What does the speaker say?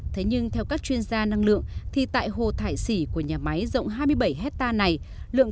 thế nhưng theo các chuyên gia năng lượng